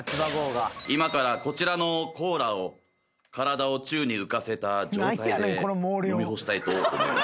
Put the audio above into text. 今からこちらのコーラを体を宙に浮かせた状態で飲み干したいと思います。